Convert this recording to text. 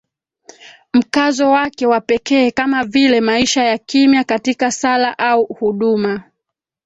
mkazo wake wa pekee kama vile maisha ya kimya katika sala au huduma